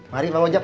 mari bang ojek